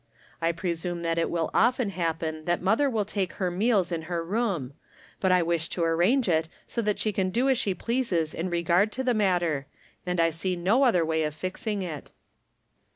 " I presume that it will often happen that mother will take her meals in her room, but I wish to arrange it so that she can do as she pleases in regard to the matter, and I see no other way of fixing it."